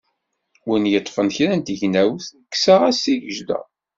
Win yeṭṭfen kra n tegnewt, kkseɣ-as tigejda.